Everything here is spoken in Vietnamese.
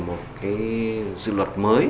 một cái dự luật mới